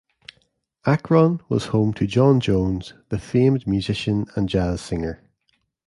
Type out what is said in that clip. Akron was home to John Jones the famed musician and jazz singer.